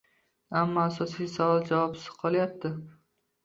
Ammo asosiy savol javobsiz qolayapti